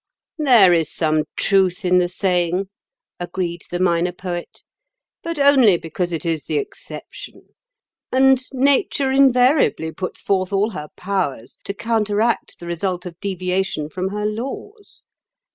"There is some truth in the saying," agreed the Minor Poet, "but only because it is the exception; and Nature invariably puts forth all her powers to counteract the result of deviation from her laws.